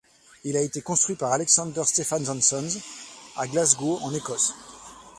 Il a été construit par Alexander Stephen and Sons à Glasgow en Écosse.